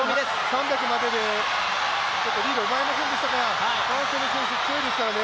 ３００まででリードを奪えませんでしたからファン・ソヌ選手強いですからね。